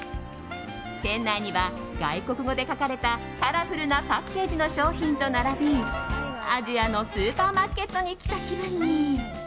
店内には、外国語で書かれたカラフルなパッケージの商品と並びアジアのスーパーマーケットに来た気分に。